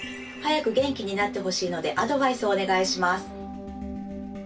早く元気になってほしいのでアドバイスお願いします。